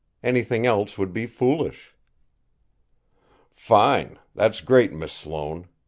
Anything else would be foolish." "Fine! That's great, Miss Sloane!"